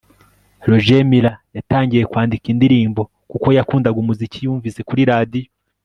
Roger Miller yatangiye kwandika indirimbo kuko yakundaga umuziki yumvise kuri radio